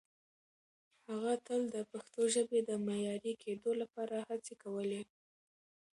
هغه تل د پښتو ژبې د معیاري کېدو لپاره هڅې کولې.